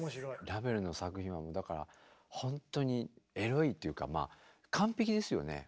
ラヴェルの作品はだからほんとにエロいっていうかまあ完璧ですよね。